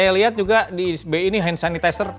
saya lihat juga di bi ini hand sanitizer